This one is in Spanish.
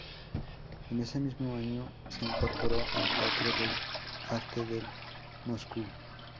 En ese mismo año se incorporó al Teatro del Arte de Moscú.